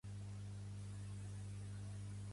Blaumut és un grup de música molt interessant.